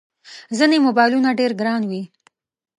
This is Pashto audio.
ځینې موبایلونه ډېر ګران وي.